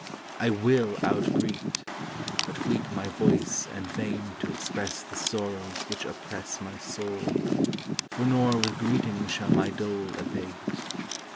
I will outgreet; but weak my voice and vain To express the sorrows which oppress my soul; For nor with greeting shall my dole abate.